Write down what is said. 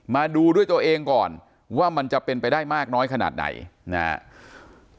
มาดูด้วยตัวเองก่อนว่ามันจะเป็นไปได้มากน้อยขนาดไหนนะครับ